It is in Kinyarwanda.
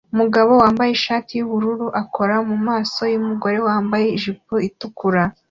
Umugabo wambaye ishati yubururu akora ku maso yumugore wambaye ijipo itukura